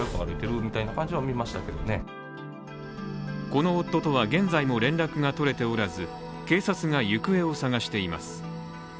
この夫とは現在も連絡が取れておらず警察が行方を捜しています。